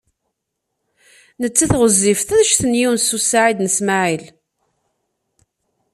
Nettat ɣezzifet anect n Yunes u Saɛid u Smaɛil.